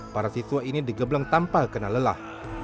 para siswa ini digebleng tanpa kena lelah